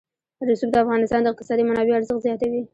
رسوب د افغانستان د اقتصادي منابعو ارزښت زیاتوي.